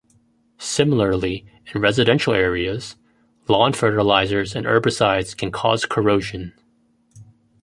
Similarly, in residential areas, lawn fertilizers and herbicides can cause corrosion.